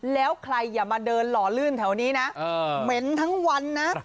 แล้วใครอย่ามาเดินหล่อลื่นแถวนี้นะเหม็นทั้งวันนะ